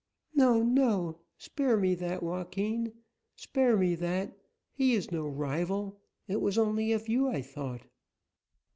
"No, no! Spare me that, Joaquin, spare me that! He is no rival; it was only of you I thought!"